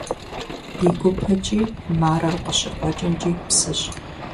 Ди гупэкӀи, Марэр къыщыкъуэкӀымкӀи псыщ.